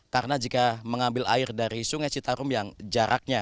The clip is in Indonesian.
karena jika mengambil air dari sungai citarum yang jaraknya